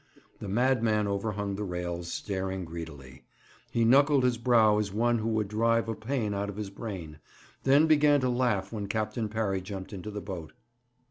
The madman overhung the rails, staring greedily. He knuckled his brow as one who would drive a pain out of his brain, then began to laugh when Captain Parry jumped into the boat.